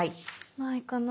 ないかな？